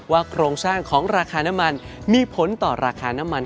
ว่ากรงสร้างของราคาน้ำมัน